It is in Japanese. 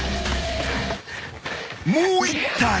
［もう１体！？］